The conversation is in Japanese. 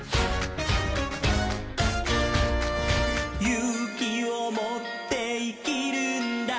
「ゆうきをもっていきるんだ」